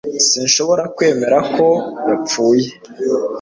Sinshobora kwemera ko yapfuye